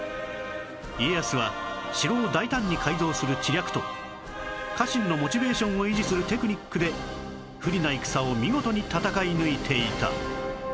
家康は城を大胆に改造する知略と家臣のモチベーションを維持するテクニックで不利な戦を見事に戦い抜いていた